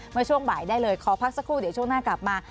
เมื่อช่วงบ่ายได้เลยขอพักสักครู่เดี๋ยวช่วงหน้ากลับมา